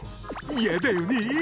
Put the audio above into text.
嫌だよね！